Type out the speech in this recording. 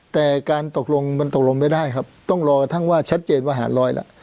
แต่การตกลงมันตกลงไม่ได้ครับต้องรอกระทั่งว่าชัดเจนว่าหารลอยล่ะ